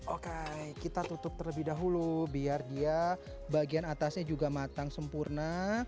oke kita tutup terlebih dahulu biar dia bagian atasnya juga matang sempurna